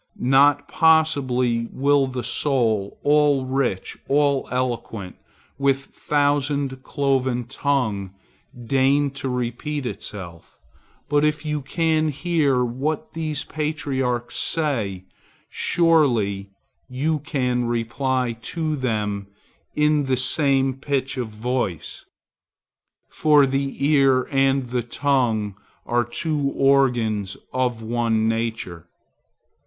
Not possibly will the soul, all rich, all eloquent, with thousand cloven tongue, deign to repeat itself; but if you can hear what these patriarchs say, surely you can reply to them in the same pitch of voice; for the ear and the tongue are two organs of one nature.